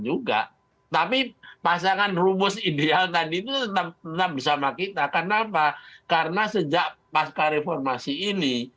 juga tapi pasangan rumus ideal tadi itu tetap tetap bersama kita karena apa karena sejak pasca reformasi ini